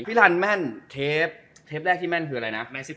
พี่รันแม่นเทปแรกที่แม่นอะไร